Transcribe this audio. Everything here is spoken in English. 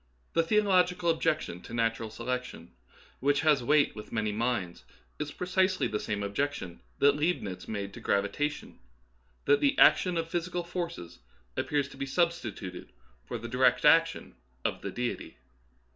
The the ological objection to natural selection, which has weight with many minds, is precisely the same objection that Leibnitz made to gravitation, — that the action of physical forces appears to be substituted for the direct action of the Deity.